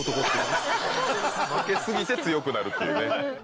負け過ぎて強くなるっていうね。